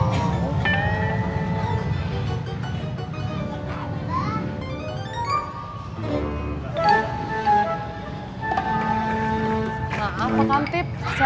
maaf pak kantip